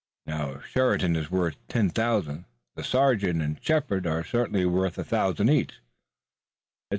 Now if Sheridan is worth ten thousand, the sergeant and Shepard are certainly worth a thousand each.